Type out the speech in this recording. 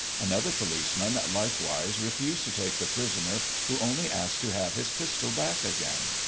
Another policeman, likewise, refused to take the prisoner, who only asked to have his pistol back again.